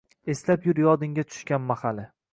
Eslab yur yodingga tushgan mahali —